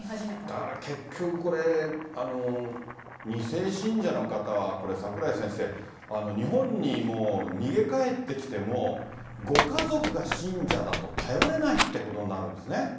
だから結局これ、２世信者の方はこれ、櫻井先生、日本にも逃げ帰って来ても、ご家族が信者だと頼れないっていうことになるんですね。